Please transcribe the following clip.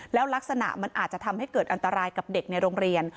แล้วลักษณะมันอาจจะทำให้เกิดอันตรายกับเด็กในโรงเรียน